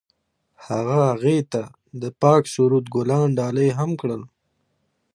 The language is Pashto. هغه هغې ته د پاک سرود ګلان ډالۍ هم کړل.